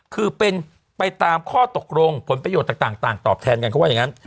คือเป็นไปตามข้อตกลงผลประโยชน์ต่างตอบแทนกันเขาว่าอย่างนั้น